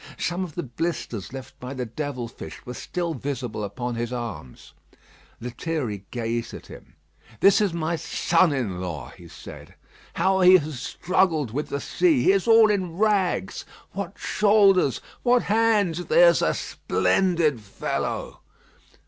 Some of the blisters left by the devil fish were still visible upon his arms. Lethierry gazed at him. "This is my son in law," he said. "How he has struggled with the sea. He is all in rags. What shoulders; what hands. There's a splendid fellow!"